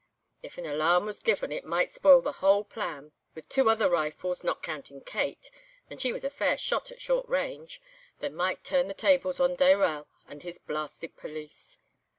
If an alarm was given it might spoil the whole plan. With two other rifles, not counting Kate (and she was a fair shot at short range), they might turn the tables on Dayrell and his blasted police.